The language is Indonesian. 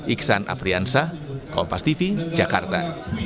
iksan afriansah kompastv jakarta